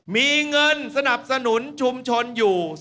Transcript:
มีเงินสนับสนุนชุมชนอยู่